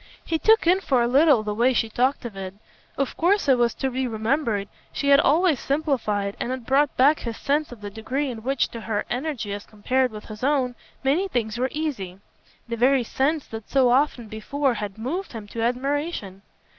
He took in for a little the way she talked of it. Of course, it was to be remembered, she had always simplified, and it brought back his sense of the degree in which, to her energy as compared with his own, many things were easy; the very sense that so often before had moved him to admiration.